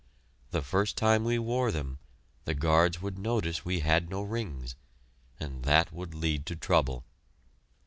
The first time we wore them the guards would notice we had no rings, and that would lead to trouble.